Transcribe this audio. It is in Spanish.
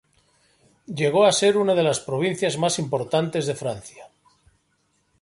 Llego a ser una de las provincias más importantes de Francia.